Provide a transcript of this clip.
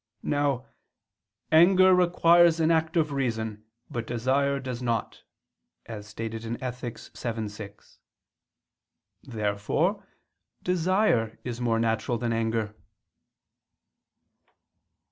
Now "anger requires an act of reason, but desire does not," as stated in Ethic. vii, 6. Therefore desire is more natural than anger.